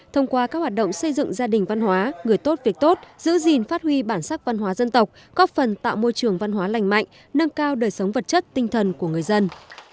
thông qua các hoạt động xây dựng gia đình văn hóa người tốt việc tốt giữ gìn phát huy bản sắc văn hóa dân tộc góp phần tạo môi trường văn hóa lành mạnh nâng cao đời sống vật chất tinh thần của người dân